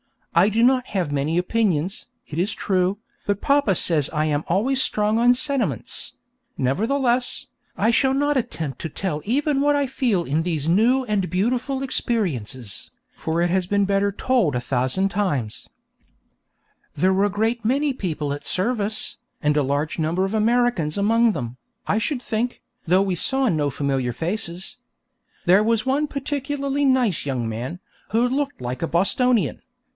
I do not have many opinions, it is true, but papa says I am always strong on sentiments; nevertheless, I shall not attempt to tell even what I feel in these new and beautiful experiences, for it has been better told a thousand times. [Illustration: "It would 'ardly be a substitute for gooseberry tart, miss."] There were a great many people at service, and a large number of Americans among them, I should think, though we saw no familiar faces. There was one particularly nice young man, who looked like a Bostonian.